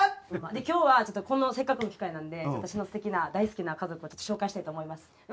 今日はちょっとこのせっかくの機会なんで私のすてきな大好きな家族を紹介したいと思います。